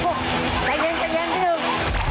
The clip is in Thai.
เหมือนเคยแต่มันหยุดพื้นค่ะ